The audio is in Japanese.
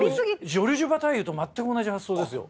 ジョルジュ・バタイユと全く同じ発想ですよ。